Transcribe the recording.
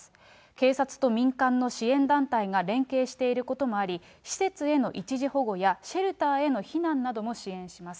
警察と民間の支援団体が連携していることもあり、施設への一時保護やシェルターへの避難なども支援します。